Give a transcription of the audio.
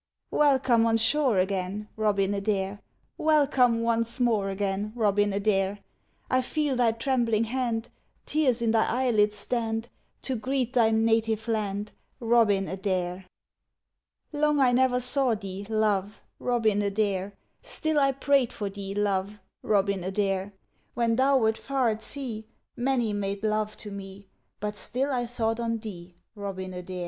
Welcome on shore again, Robin Adair! Welcome once more again, Robin Adair! I feel thy trembling hand; Tears in thy eyelids stand, To greet thy native land, Robin Adair! Long I ne'er saw thee, love, Robin Adair; Still I prayed for thee, love, Robin Adair; When thou wert far at sea, Many made love to me, But still I thought on thee, Robin Adair.